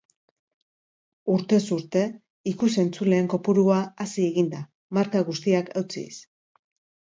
Urtez urte, ikus-entzuleen kopurua hazi egin da, marka guztiak hautsiz.